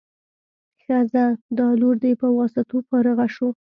ښه ځه دا لور دې په واسطو فارغه شو.